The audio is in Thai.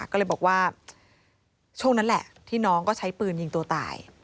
ก็เลยบอกว่าช่วงนั้นแหละที่น้องก็ใช้ปืนยิงตัวตาย